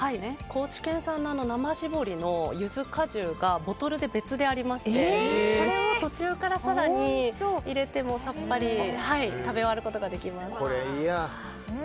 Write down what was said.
高知県産の生搾りのユズ果汁がボトルで別でありましてそれを途中から更に入れてもさっぱり食べ終わることができます。